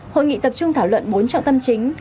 hội nghị tập trung thảo luận bốn trọng tâm chính